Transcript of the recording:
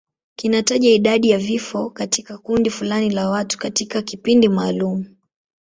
Kinataja idadi ya vifo katika kundi fulani la watu katika kipindi maalum.